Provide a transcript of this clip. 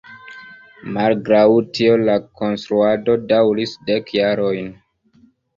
Malgraŭ tio la konstruado daŭris dek jarojn.